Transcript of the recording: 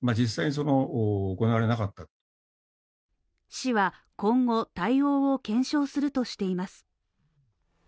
市は今後、対応を検証するとしています。